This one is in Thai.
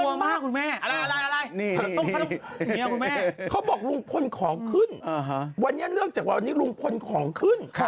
ทำไมคุณติมือสั่นขนาดนี้ีหรือคะ